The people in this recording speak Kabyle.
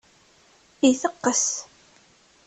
Iteqqes.